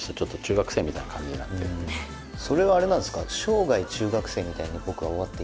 それはあれなんですか？